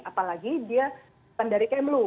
apalagi dia pendari kemlu